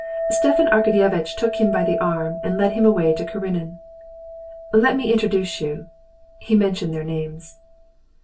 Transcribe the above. Stepan Arkadyevitch took him by the arm and led him away to Karenin. "Let me introduce you." He mentioned their names.